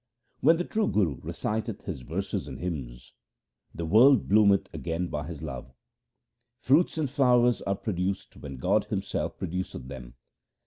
When the true Guru reciteth his verses and hymns, The world bloometh again by his love. Fruits and flowers are produced when God Himself produceth them.